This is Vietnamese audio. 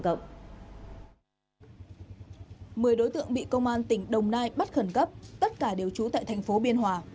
một mươi đối tượng bị công an tỉnh đồng nai bắt khẩn cấp tất cả đều trú tại thành phố biên hòa